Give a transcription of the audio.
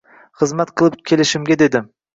Xizmat qilib kelishimga dedim